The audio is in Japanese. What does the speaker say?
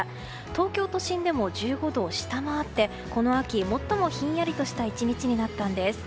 東京都心でも１５度を下回ってこの秋最もひんやりした１日になったんです。